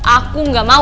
aku gak mau